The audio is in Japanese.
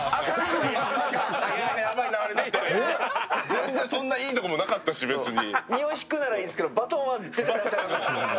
全然そんないいところもなかったし別に。